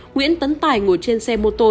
nguyễn tấn tài ngồi trên xe mô tô